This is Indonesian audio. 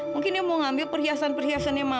mungkin dia mau ambil perhiasan perhiasannya mama